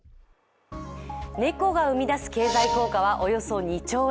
猫が生み出す経済効果はおよそ２兆円。